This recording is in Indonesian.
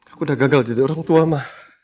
aku udah gagal jadi orang tua mah